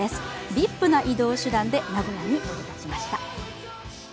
ＶＩＰな移動手段で名古屋に降り立ちました。